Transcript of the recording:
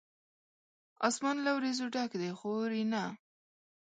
اسمان له وریځو ډک دی ، خو اوري نه